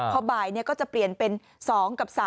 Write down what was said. พอบ่ายก็จะเปลี่ยนเป็น๒กับ๓